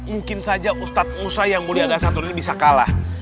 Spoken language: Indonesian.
mungkin saja ustadz musa yang mulia gak satu ini bisa kalah